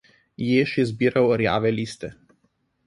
Jež je zbiral rjave liste.